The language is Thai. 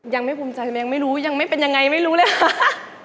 ยังไม่ภูมิใจยังไม่รู้ยังไม่เป็นยังไงไม่รู้เลยค่ะ